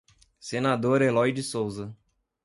Senador Elói de Souza